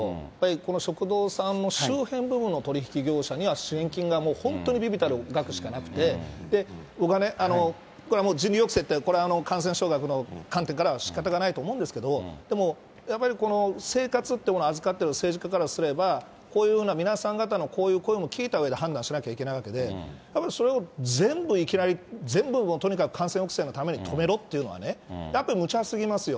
この食堂さんの周辺部分の取り引き業者さんには、支援金がもう本当に微々たる額しかなくて、僕はね、これは人流抑制って感染症学の観点からはしかたがないとは思うんですけれども、でも、やっぱり生活っていうものを預かっている政治家からすれば、こういうような皆さん方のこういう声も聞いたうえで、判断しなきゃいけないわけで、やっぱりそれを全部いきなり、全部もう、とにかく感染抑制のために止めろっていうのはね、やっぱりむちゃすぎますよ。